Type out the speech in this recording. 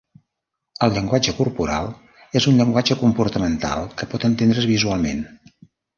El llenguatge corporal és un llenguatge comportamental que pot entendre's visualment.